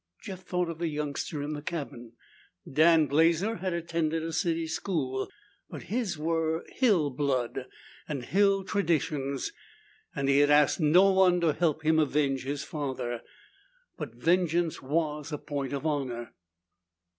Jeff thought of the youngster in the cabin. Dan Blazer had attended a city school, but his were hill blood and hill traditions. He had asked no one to help him avenge his father, but vengeance was a point of honor.